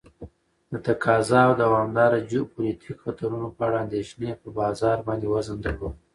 د تقاضا او دوامداره جیوپولیتیک خطرونو په اړه اندیښنې په بازار باندې وزن درلود.